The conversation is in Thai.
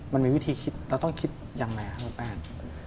มันมีวิธีคิดเราต้องคิดยังไงครับคุณแป้ง